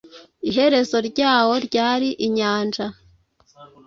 Iherezo ryarwo ryari inyanja .